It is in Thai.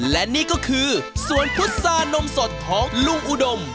และนี่ก็คือสวนพุษานมสดของลุงอุดม